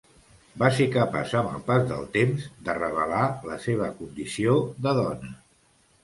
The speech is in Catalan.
Va ser capaç, amb el pas del temps, de revelar la seva condició de dona.